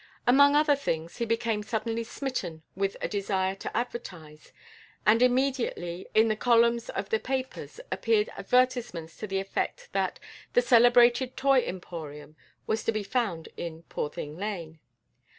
Among other things, he became suddenly smitten with a desire to advertise, and immediately in the columns of the tapers appeared advertisements to the effect that "The Celebrated Toy Emporium" was to be found in Poorthing Lane.